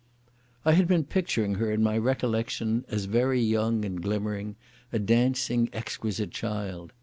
I had been picturing her in my recollection as very young and glimmering, a dancing, exquisite child.